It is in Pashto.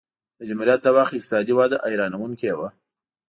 د جمهوریت د وخت اقتصادي وده حیرانوونکې وه